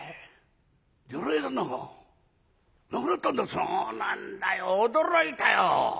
「そうなんだよ驚いたよ。